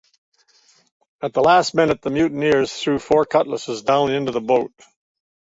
At the last minute the mutineers threw four cutlasses down into the boat.